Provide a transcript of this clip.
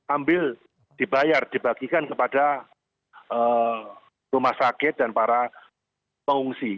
ambil dibayar dibagikan kepada rumah sakit dan para pengungsi